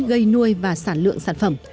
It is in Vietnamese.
gây nuôi và sản lượng sản phẩm